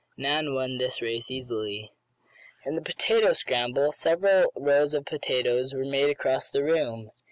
Nan won this race easily. In the potato scramble several rows of potatoes were made across the room.